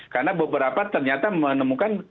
karena beberapa ternyata menemukan